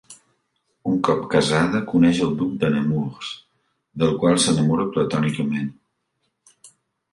Un cop casada, coneix el duc de Nemours, del qual s'enamora platònicament.